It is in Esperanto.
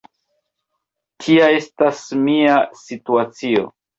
Tia estas mia situacio.